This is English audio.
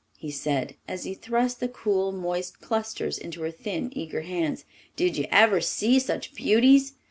he said, as he thrust the cool, moist clusters into her thin, eager hands. "Did you ever see such beauties?"